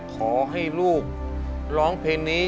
ขอให้ลูกร้องเพลงนี้